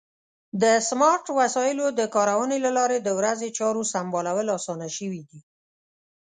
د سمارټ وسایلو د کارونې له لارې د ورځې چارو سمبالول اسان شوي دي.